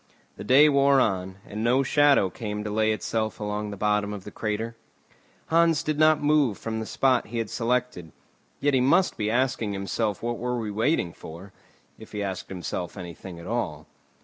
The day wore on, and no shadow came to lay itself along the bottom of the crater. Hans did not move from the spot he had selected; yet he must be asking himself what were we waiting for, if he asked himself anything at all.